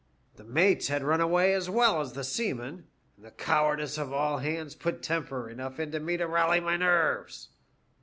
" The mates had run away as well as the seamen, and the cowardice of all hands put temper enough into me to rally my nerves.